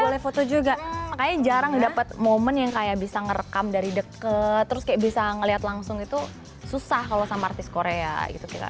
kayaknya jarang dapat moment yang kayak bisa ngerekam dari deket terus kayak bisa ngelihat langsung itu susah kalau sama artis korea gitu